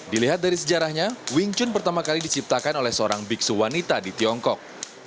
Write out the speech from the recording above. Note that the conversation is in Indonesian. dilihat dari sejarahnya wing chun pertama kali diciptakan oleh seorang biksu wanita di tiongkok